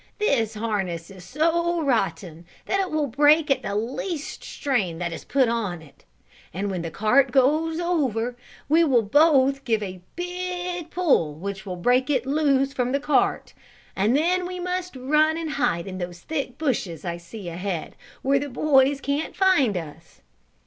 This harness is so rotten that it will break at the least strain that is put on it, and when the cart goes over we will both give a big pull which will break it loose from the cart, and then we must run and hide in those thick bushes I see ahead, where the boys can't find us."